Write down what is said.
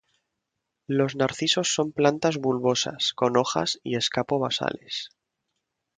Los narcisos son plantas bulbosas, con hojas y escapo basales.